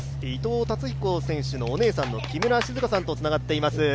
伊藤達彦選手のお姉さんの木村静香さんとつながっています。